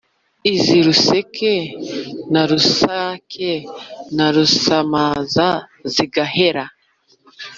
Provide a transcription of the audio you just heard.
iz’i ruseke na rusake na rusamaza zigahera